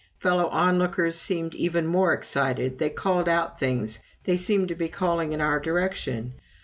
Fellow onlookers seemed even more excited they called out things they seemed to be calling in our direction.